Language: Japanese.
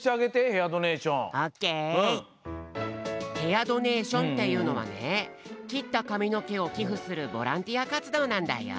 ヘアドネーションっていうのはねきったかみのけをきふするボランティアかつどうなんだよ。